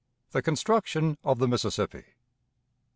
The Construction of the Mississippi.